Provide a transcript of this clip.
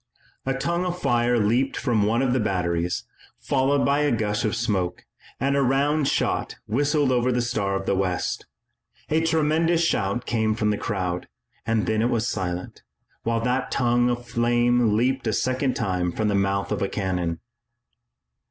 A tongue of fire leaped from one of the batteries, followed by a gush of smoke, and a round shot whistled over the Star of the West. A tremendous shout came from the crowd, then it was silent, while that tongue of flame leaped a second time from the mouth of a cannon.